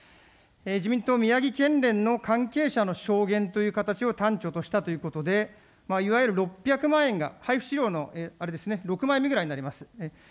自民党宮城県連の関係者の証言という形を端緒としたということで、いわゆる６００万円が、配付資料のあれですね、６枚目ぐらいになります。